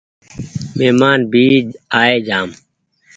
مهمان بي آئي جآم